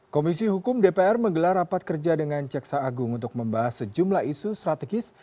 komisi hukum dpr menggelar rapat kerja dengan jaksa agung untuk membahas sejumlah isu strategis